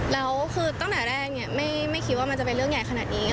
แล้วคือตั้งแต่แรกไม่คิดว่ามันจะเป็นเรื่องใหญ่ขนาดนี้